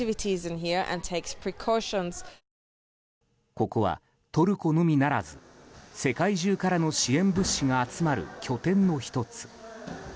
ここは、トルコのみならず世界中からの支援物資が集まる拠点の１つ。